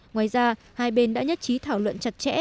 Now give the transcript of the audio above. ngoài ra hai bên đã nhất trí thảo luận chặt chẽ